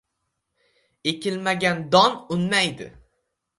• Ekilmagan don unmaydi.